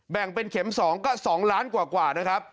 แบ่งเป็นเข็ม๒ก็๒ล้านกว่านะครับ